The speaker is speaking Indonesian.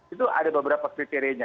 itu ada beberapa kriteriannya